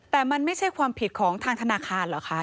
แต่มันไม่ใช่ความผิดของทางธนาคารเหรอคะ